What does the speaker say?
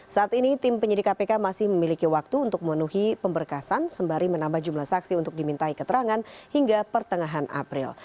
saat ini tim penyidik kpk masih memiliki waktu untuk memenuhi pemberkasan sembari menambah jumlah saksi untuk dimintai keterangan hingga pertengahan april